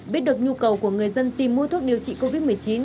biết được nhu cầu của người dân tìm mua thuốc điều trị covid một mươi chín